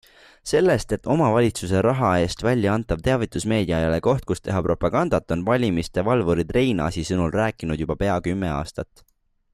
Sellest, et omavalitsuse raha eest välja antav teavitusmeedia ei ole koht, kus teha propagandat, on valimiste valvurid Reinaasi sõnul rääkinud juba pea kümme aastat.